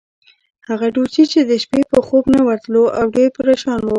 هغه ډوچي چې د شپې به خوب نه ورتلو، او ډېر پرېشان وو.